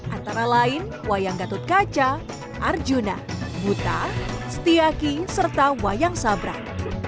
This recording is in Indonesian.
antara lain wayang gatut kaca arjuna buta setiaki serta wayang sabrang